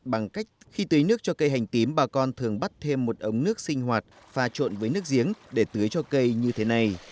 bằng cách khi tưới nước cho cây hành tím bà con thường bắt thêm một ống nước sinh hoạt pha trộn với nước giếng để tưới cho cây như thế này